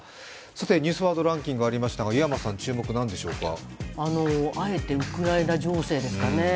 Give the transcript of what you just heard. さて、「ニュースワードランキング」ありましたがあえてウクライナ情勢ですかね。